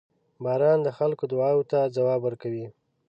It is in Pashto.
• باران د خلکو دعاوو ته ځواب ورکوي.